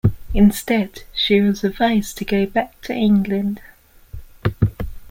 Instead, she was advised to go back to England.